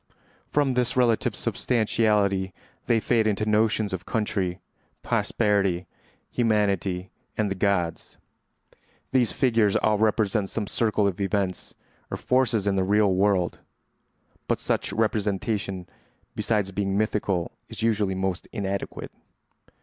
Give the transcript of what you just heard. From this relative substantiality they fade into notions of country, posterity, humanity, and the gods. These figures all represent some circle of events or forces in the real world; but such representation, besides being mythical, is usually most inadequate.